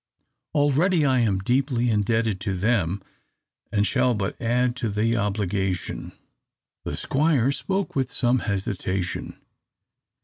Already I am deeply indebted to them, and shall but add to the obligation." The Squire spoke with some hesitation.